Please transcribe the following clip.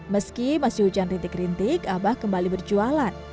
meski masih hujan rintik rintik abah kembali berjualan